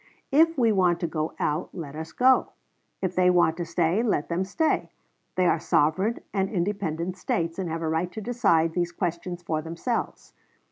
If we want to go out let us go. If they want to stay let them stay. They are sovereign and independent States, and have a right to decide these questions for themselves.